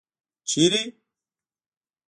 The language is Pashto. ـ چېرته؟